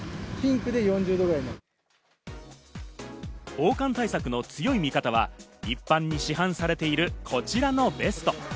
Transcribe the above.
防寒対策の強い味方は一般に市販されているこちらのベスト。